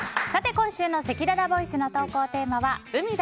今週のせきららボイスの投稿テーマは海だ！